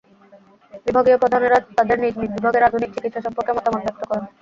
বিভাগীয় প্রধানেরা তাঁদের নিজ নিজ বিভাগের আধুনিক চিকিৎসা সম্পর্কে মতামত ব্যক্ত করেন।